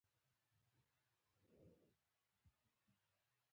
جنګونه د سیمې اقتصاد ته زیان رسوي.